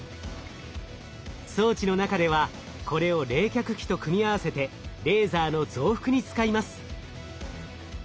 装置の中ではこれを冷却器と組み合わせてレーザーの増幅に使います。